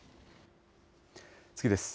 次です。